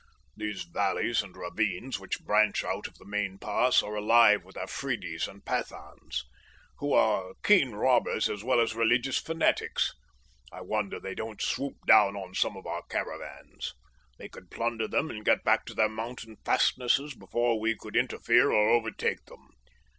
These valleys and ravines which branch out of the main pass are alive with Afridis and Pathans, who are keen robbers as well as religious fanatics. I wonder they don't swoop down on some of our caravans. They could plunder them and get back to their mountain fastnesses before we could interfere or overtake them.